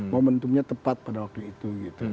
momentumnya tepat pada waktu itu